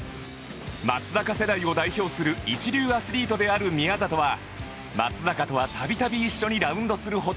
松坂世代を代表する一流アスリートである宮里は松坂とは度々一緒にラウンドするほどの友人